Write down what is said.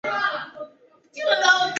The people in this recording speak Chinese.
但没有生长在非洲和澳洲的。